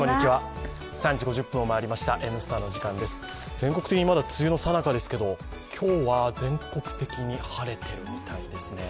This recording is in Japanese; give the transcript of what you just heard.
全国的にまだ梅雨のさなかですけど、今日は全国的にまだ晴れてるみたいですね。